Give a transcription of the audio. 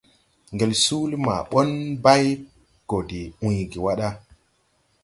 Ŋgel suuli maa ɓɔn bay go de uygi wà ɗa.